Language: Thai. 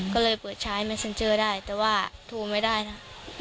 ก็เลยเปิดใช้เมนเซ็นเจอร์ได้แต่ว่าโทรไม่ได้นะ